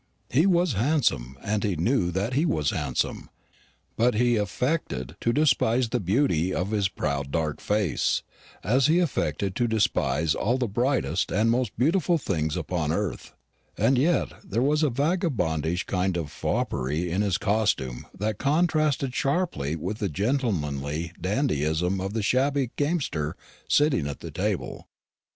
He was handsome, and he knew that he was handsome; but he affected to despise the beauty of his proud dark face, as he affected to despise all the brightest and most beautiful things upon earth: and yet there was a vagabondish kind of foppery in his costume that contrasted sharply with the gentlemanly dandyism of the shabby gamester sitting at the table.